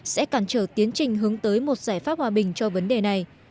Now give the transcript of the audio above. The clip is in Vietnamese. sẽ cản trở tiến trình hướng tới một giải pháp hòa bình cho vấn đề này